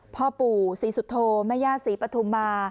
พ่อปู่ศรีสุโธแม่ย่าศรีปฐุมมา